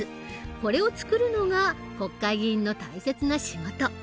これを作るのが国会議員の大切な仕事。